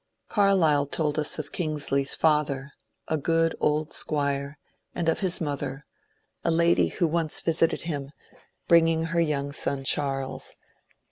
Car lyle told us of Kingsley's father, a good old squire, and of his mother, — a lady who once visited him, bringing her young son Charles.